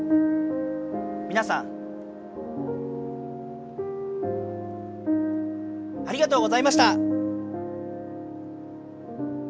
みなさんありがとうございました。